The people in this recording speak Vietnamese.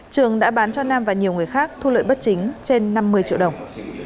trường đã bán cho nam và nhiều người khác thu lợi bất chính trên năm mươi triệu đồng